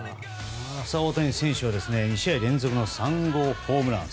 大谷翔平は２試合連続の３号ホームラン。